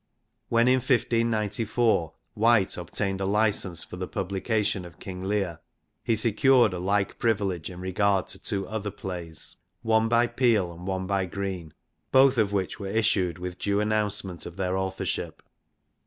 When in 1 594 White obtained a license for the publication of King Leir he secured a like privilege in regard to two other plays, one by Peele and one by Greene, both of which were issued with due announce ment of their authorship.